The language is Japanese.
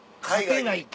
勝てない